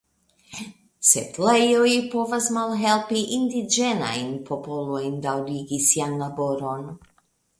Setlejoj povas malhelpi indiĝenajn popolojn daŭrigi sian laboron.